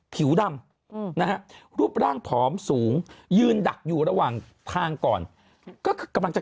ผิวดำนะฮะรูปร่างผอมสูงยืนดักอยู่ระหว่างทางก่อนก็คือกำลังจะ